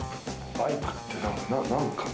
バイクって何か何？